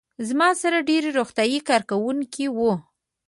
زما سره ډېری روغتیايي کارکوونکي وو.